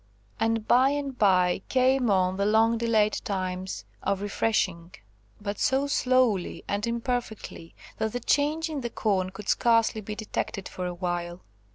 And by and by came on the long delayed times of refreshing, but so slowly and imperfectly, that the change in the corn could scarcely be detected for a while.